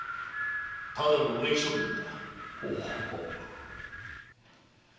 ただの植木職人だ。